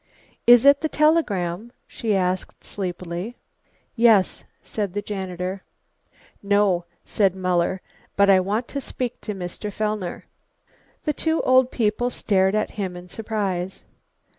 "Is it the telegram?" she asked sleepily. "Yes," said the janitor. "No," said Muller, "but I want to speak to Mr. Fellner." The two old people stared at him in surprise.